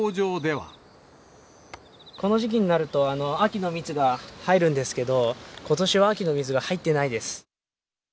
この時期になると、秋の蜜が入るんですけど、ことしは秋の蜜が入ってないです。